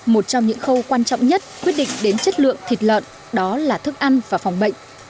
một trong những khâu quan trọng nhất quyết định đến chất lượng thịt lợn đó là thức ăn và phòng bệnh